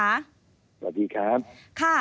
สวัสดีครับ